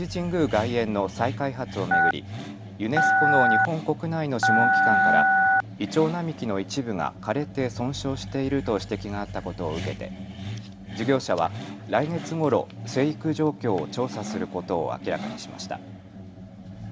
外苑の再開発を巡りユネスコの日本国内の諮問機関からイチョウ並木の一部が枯れて損傷していると指摘があったことを受けて事業者は来月ごろ生育状況を調査することを明らかにしました。